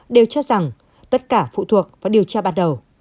đều cho rằng tất cả phụ thuộc vào điều tra ban đầu